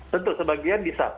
tentu sebagian bisa